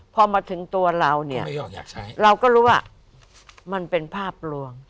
พอมาถึงตัวเราเนี่ยเราก็รู้ว่ามันเป็นภาพลวง